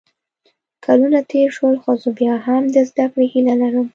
کلونه تېر شول خو زه بیا هم د زده کړې هیله لرم